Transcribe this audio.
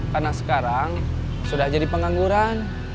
karena sekarang sudah jadi pengangguran